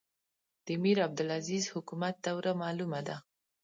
د میرعبدالعزیز حکومت دوره معلومه ده.